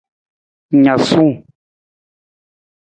Naasung.